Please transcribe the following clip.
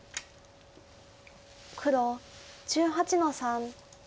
黒１８の三。